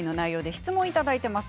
質問をいただいています。